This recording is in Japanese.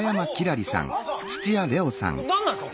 何なんですか？